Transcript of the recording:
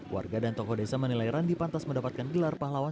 warga dan tokoh desa menilai randi pantas mendapatkan gelar pahlawan